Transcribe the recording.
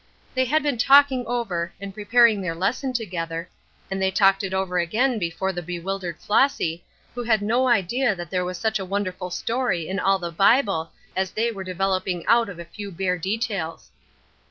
They had been talking over and preparing their lesson together, and they talked it over again before the bewildered Flossy, who had no idea that there was such a wonderful story in all the Bible as they were developing out of a few bare details.